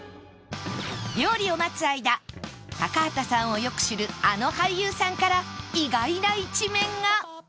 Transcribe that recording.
料理を待つ間高畑さんをよく知るあの俳優さんから意外な一面が！